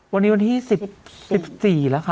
วันนี้วันที่๑๔แล้วค่ะ